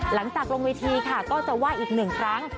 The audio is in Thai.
หลังจากลงเวทีค่ะก็จะไหว้อีกหนึ่งครั้ง